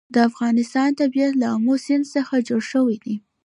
د افغانستان طبیعت له آمو سیند څخه جوړ شوی دی.